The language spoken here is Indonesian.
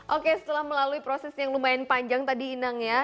oke setelah melalui proses yang lumayan panjang tadi inang ya